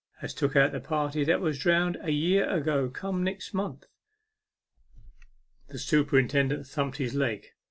as took out the party that was drowned a year ago come next month." The superintendent thumped his leg.